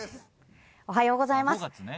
おはようございます。